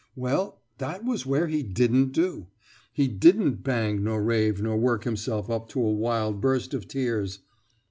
"Well, that was where he didn't do. He didn't bang nor rave nor work himself up to a wild burst of tears!"